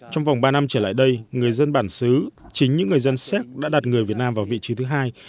trong vòng ba năm trở lại đây người dân bản xứ chính những người dân séc đã đặt người việt nam vào vị trí thứ hai